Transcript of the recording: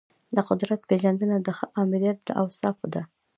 د قدرت پیژندنه د ښه آمریت له اوصافو ده.